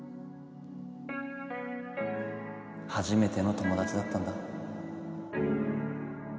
はじめての友だちだったんだ。